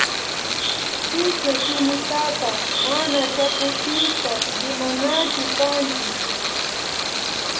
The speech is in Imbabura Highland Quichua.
Kichwa shimitaka mana chapuchishpa rimanachu kanchik